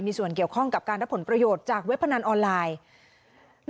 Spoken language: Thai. มีส่วนเกี่ยวข้องกับการรับผลประโยชน์จากเว็บพนันออนไลน์